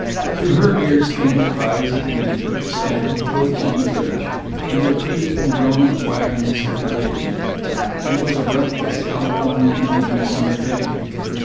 To her ears came the cries of men, the stamp of hoofs on the bridge, and the creak and groan of wagons heavy laden. It was a breathless California Indian summer day.